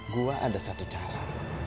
gue ada satu cara